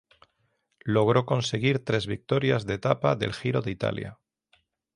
Logró conseguir tres victorias de etapa del Giro de Italia.